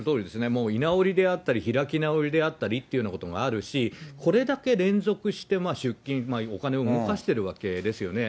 もう居直りであったり、開き直りであったりっていうようなことがあるし、これだけ連続して出金、お金を動かしているわけですよね。